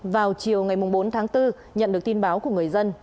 vào chiều ngày bốn tháng bốn nhận được tin báo của người dân